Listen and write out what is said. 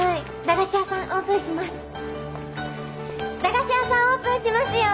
駄菓子屋さんオープンしますよ。